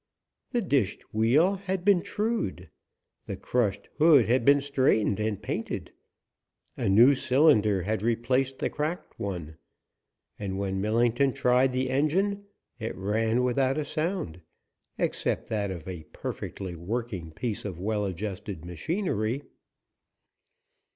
The dished wheel had been trued, the crushed hood had been straightened and painted, a new cylinder had replaced the cracked one, and when Millington tried the engine it ran without a sound except that of a perfectly working piece of well adjusted machinery.